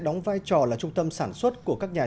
đóng vai trò là trung tâm sản xuất của các nhà